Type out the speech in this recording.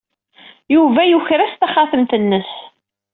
Yuba yuker-as taxatemt-nnes.